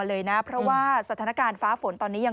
เลยนะเพราะว่าสถานการณ์ฟ้าฝนตอนนี้ยัง